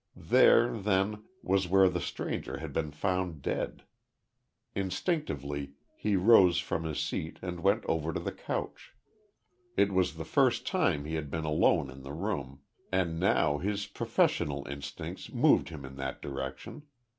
There, then, was where the stranger had been found dead. Instinctively he rose from his seat and went over to the couch. It was the first time he had been alone in the room, and now his professional instincts moved him in that direction.